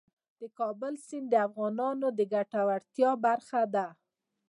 د کابل سیند د افغانانو د ګټورتیا برخه ده.